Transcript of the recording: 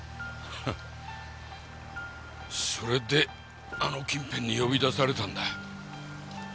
フッそれであの近辺に呼び出されたんだ。